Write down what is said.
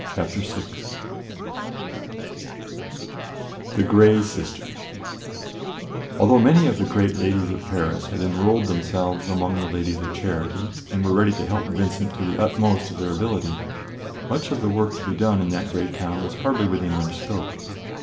Chapter 6 THE GREY SISTERS ALTHOUGH many of the great ladies of Paris had enrolled themselves among the Ladies of Charity and were ready to help Vincent to the utmost of their ability, much of the work to be done in that great town was hardly within their scope.